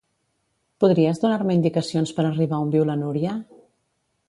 Podries donar-me indicacions per arribar on viu la Núria?